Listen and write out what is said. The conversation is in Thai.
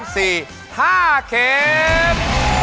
๕เส้ม